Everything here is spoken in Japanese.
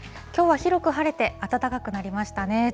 きょうは広く晴れて暖かくなりましたね。